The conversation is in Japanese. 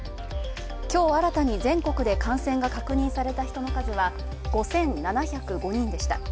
きょう新たに全国で感染が確認された人の数は５７０５人でした。